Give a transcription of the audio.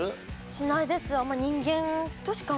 しないです。